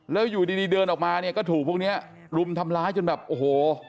แล้วอยู่ดีเดินออกมาเนี่ยก็ถูกพวกนี้รุมทำร้ายจนแบบโอ้โห